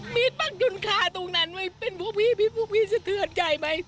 มีปัจจุนคาตรงนั้นเพื่อนพวกพี่พวกพี่จะเทือนใจไหม